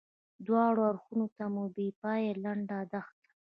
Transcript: دواړه اړخو ته مو بې پایې لنده دښته.